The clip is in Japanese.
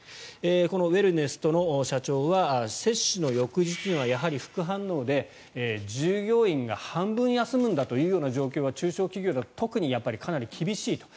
このウェルネストの社長は接種の翌日にはやはり副反応で従業員が半分以上休むんだという状況は中小企業ではかなり厳しいと。